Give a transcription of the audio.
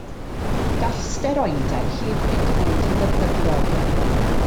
Gall steroidau hefyd fod yn ddefnyddiol.